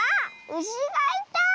うしがいた！